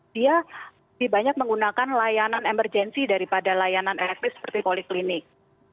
dia dibanyak menggunakan layanan emergency daripada layanan elektris seperti poliklinik